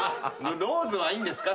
ローズはいいんですか？